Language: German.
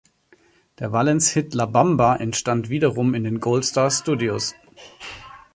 Der Valens-Hit "La Bamba" entstand wiederum in den Gold Star Studios.